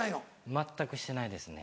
全くしてないですね。